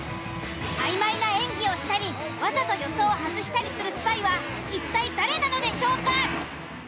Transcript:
曖昧な演技をしたりわざと予想を外したりするスパイは一体誰なのでしょうか？